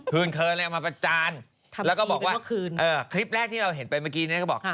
เคยเลยเอามาประจานแล้วก็บอกว่าคลิปแรกที่เราเห็นไปเมื่อกี้เนี่ยก็บอก